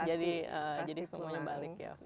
jadi jadi semuanya balik ya